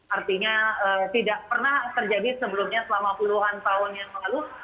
artinya tidak pernah terjadi sebelumnya selama puluhan tahun yang lalu